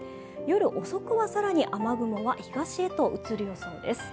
夜遅くは更に雨雲は東へと移る予想です。